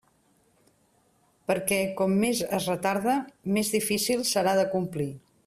Perquè com més es retarde, més difícil serà d'acomplir.